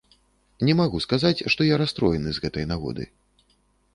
Не магу сказаць, што я расстроены з гэтай нагоды.